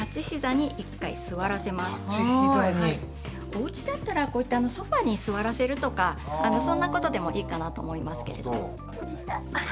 おうちだったらこういったソファーに座らせるとかそんなことでもいいかなと思いますけれども。